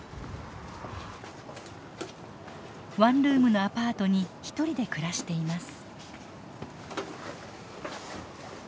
ワンルームのアパートに一人で暮らしています。